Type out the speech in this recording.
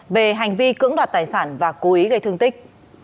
về hành vi cưỡng đoạt tài sản và cố ý gây thương tích